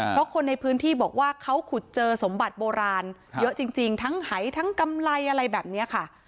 เพราะคนในพื้นที่บอกว่าเขาขุดเจอสมบัติโบราณเยอะจริงทั้งหายทั้งกำไรอะไรแบบนี้ค่ะ